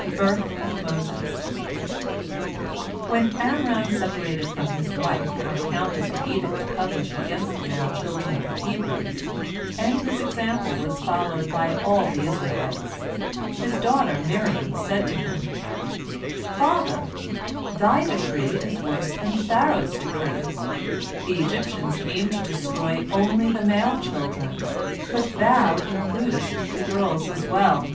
THE BIRTH OF MOSES When Amram separated from his wife on account of the edict published against the male children of the Hebrews, and his example was followed by all the Israelites, his daughter Miriam said to him: "Father, thy decree is worse than Pharaoh's decree. The Egyptians aim to destroy only the male children, but thou includest the girls as well.